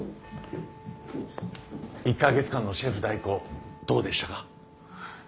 １か月間のシェフ代行どうでしたか？